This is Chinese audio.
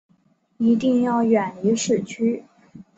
一定要远离市区